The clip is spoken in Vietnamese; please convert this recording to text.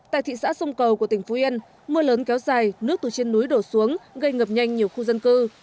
tại thị xã sông cầu của tỉnh phú yên mưa lớn kéo dài nước từ trên núi đổ xuống gây ngập nhanh nhiều khu dân cư